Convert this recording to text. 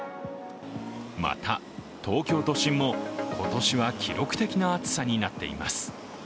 また、東京都心も今年は記録的な暑さになっています。